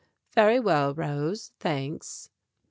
"Very well, Rose. Thanks."